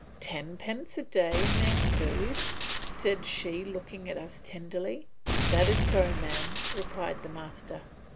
"Tenpence a day and their food," said she looking at us tenderly. "That is so, madam," replied the master.